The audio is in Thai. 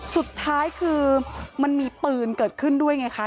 สุดท้ายคือมันมีปืนเกิดขึ้นด้วยไงคะ